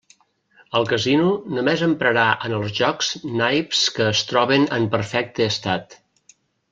El casino només emprarà en els jocs naips que es troben en perfecte estat.